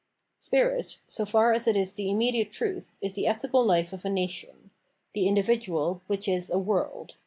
Spirit, so far as it is the immediate truth, is the ethical life of a nation :— ^the individual, which is a world.